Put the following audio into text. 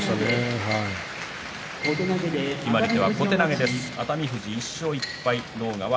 決まり手は小手投げです。